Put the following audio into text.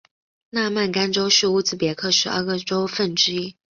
纳曼干州是乌兹别克十二个州份之一。